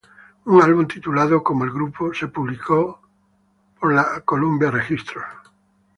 Un álbum titulado como el grupo fue publicado por Columbia Registros.